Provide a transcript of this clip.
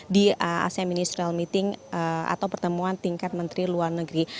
di asean ministerial meeting atau pertemuan tingkat menteri luar negeri